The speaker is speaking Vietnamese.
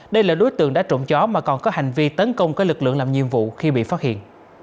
đây là đối tượng đã trộm chó mà còn có hành vi tấn công các lực lượng làm nhiệm vụ khi bị phát hiện